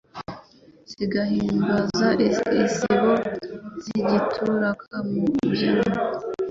Zigahimbaza isibo, Zigituruka mu byambu;